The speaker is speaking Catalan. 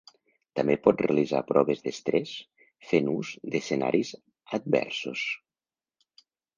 També pot realitzar proves d'estrès fent ús d'escenaris adversos.